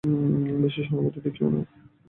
বেশি সহানুভূতি দেখিও না।